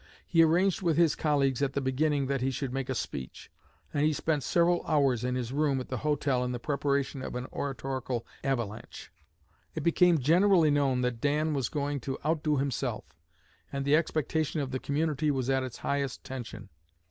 He arranged with his colleagues at the beginning that he should make a speech, and he spent several hours in his room at the hotel in the preparation of an oratorical avalanche. It became generally known that Dan was going to out do himself, and the expectation of the community was at its highest tension.